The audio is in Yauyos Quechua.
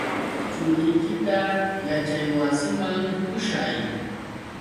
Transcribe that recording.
Churiykita yaćhaywasiman pushay.